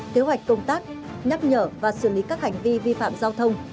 kế hoạch công tác nhắc nhở và xử lý các hành vi vi phạm giao thông